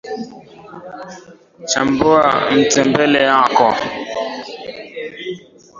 chambua mtembele yako